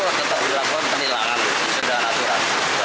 penyebab peruntukannya dilakukan dalam kecacatan